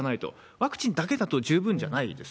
ワクチンだけだと十分じゃないです。